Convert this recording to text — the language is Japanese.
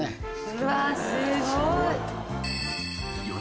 うわすごい！